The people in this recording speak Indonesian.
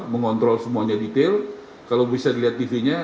mengontrol semuanya detail kalau bisa dilihat tv nya